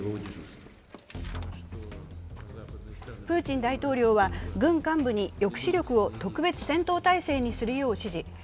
プーチン大統領は軍幹部に抑止力を特別戦闘態勢にするよう指示。